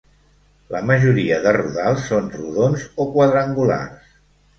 La majoria de rodals són rodons o quadrangulars.